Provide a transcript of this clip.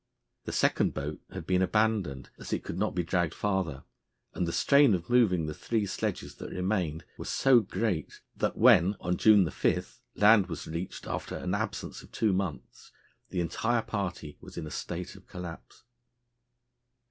The second boat had been abandoned, as it could not be dragged farther, and the strain of moving the three sledges that remained was so great that when, on June 5, land was reached after an absence of two months, the entire party was in a state of collapse.